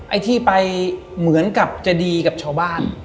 ไอ้ที่ไปเหมือนกับจะดีกับชาวบ้าน